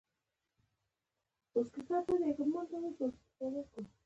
او ښې موسیقۍ جایزه هم دغه فلم ته ورکړل شوه.